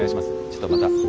ちょっとまた。